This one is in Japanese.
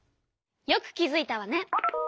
よく気づいたわね。